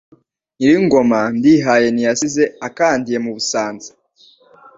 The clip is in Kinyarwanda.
Nyiringoma ndihaye Ntiyasize akandiye mu Busanza